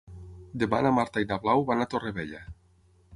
Demà na Marta i na Blau van a Torrevella.